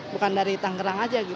bukan dari tangerang aja